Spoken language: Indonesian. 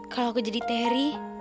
kalau aku jadi terry